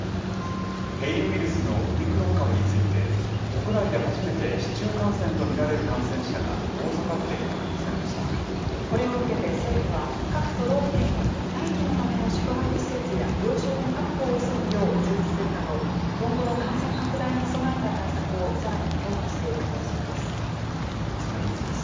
変異ウイルスのオミクロン株について、国内で初めて市中感染と見られる感染者が、大阪府で確認されましこれを受けて政府は、各都道府県に待機のための宿泊施設や病床の確保を急ぐよう通知するなど、今後の感染拡大に備えた対策をさらに強化していく方針です。